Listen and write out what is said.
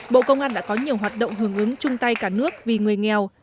bộ công an đã có nhiều hoạt động hưởng ứng chung tay cả nước vì người nghèo